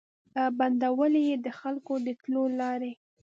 بندولې یې د خلکو د تلو لاري